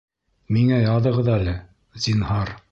Миңә яҙығыҙ әле, зинһар